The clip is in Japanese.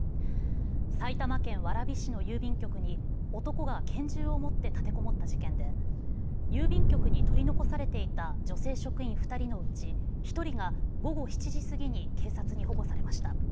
埼玉県蕨市の郵便局に男が拳銃を持って立てこもった事件で郵便局に取り残されていた女性職員２人のうち１人が午後７時過ぎに警察に保護されました。